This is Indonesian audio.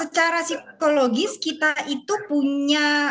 secara psikologis kita itu punya